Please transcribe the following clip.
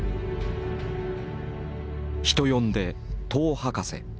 人呼んで「塔博士」。